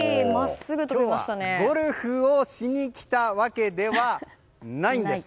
今日はゴルフをしに来たわけではないんです。